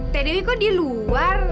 t dewi kok dia luar